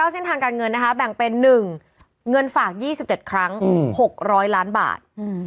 เส้นทางการเงินนะคะแบ่งเป็น๑เงินฝาก๒๗ครั้ง๖๐๐ล้านบาท